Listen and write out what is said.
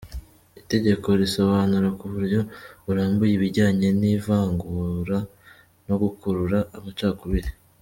Itegeko risobanura ku buryo burambuye ibijyanye n‟ivangura no gukurura amacakubiri.